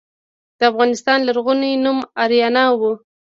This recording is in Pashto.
د افغانستان لرغونی نوم اریانا و